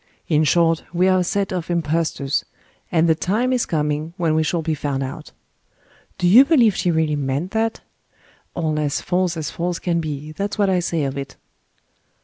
In short, we are a set of impostors, and the time is coming when we shall be found out." Do you believe she really meant that? All as false as false can be that's what I say of it."